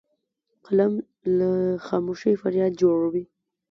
قلم له خاموشۍ فریاد جوړوي